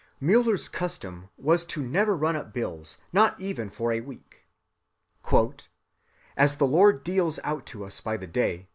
Müller's custom was to never run up bills, not even for a week. "As the Lord deals out to us by the day